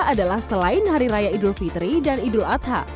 adalah selain hari raya idul fitri dan idul adha